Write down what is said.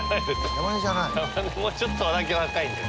もうちょっとだけ若いんで。